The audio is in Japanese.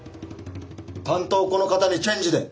担当をこの方にチェンジで！